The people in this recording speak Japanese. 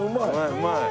うまい。